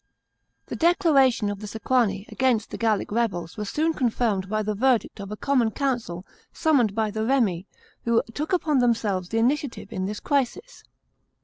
The declaration of the Sequani against the Gallic rebels was soon confirmed by the verdict of a common council summoned by the Remi, who took upon themselves the initiative in this crisis.